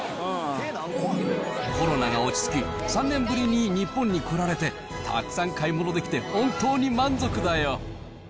コロナが落ち着き、３年ぶりに日本に来られて、たくさん買い物できて、本当に満足だよ。